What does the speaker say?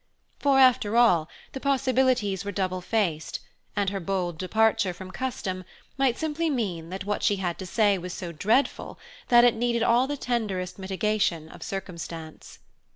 For, after all, the possibilities were double faced, and her bold departure from custom might simply mean that what she had to say was so dreadful that it needed all the tenderest mitigation of circumstance.